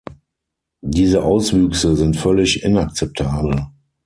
Diese Auswüchse sind völlig inakzeptabel.